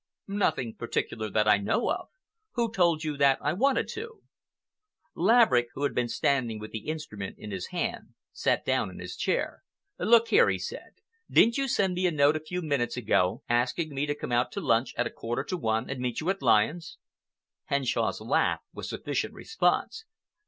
"Nothing particular that I know of. Who told you that I wanted to?" Laverick, who had been standing with the instrument in his hand, sat down in his chair. "Look here," he said, "Didn't you send me a note a few minutes ago, asking me to come out to lunch at a quarter to one and meet you at Lyons'?" Henshaw's laugh was sufficient response.